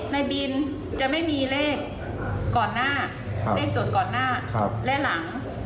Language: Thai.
ในบินจะไม่มีเลขก่อนหน้าเลขจดก่อนหน้าและหลัง